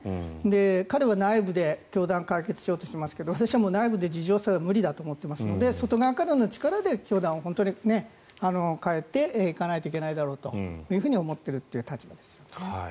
彼は内部で教団を解決しようとしていますが私は内部で自浄するのは無理だと思っているので外側からの力で教団を変えていかないといけないだろうと思っているという立場ですよね。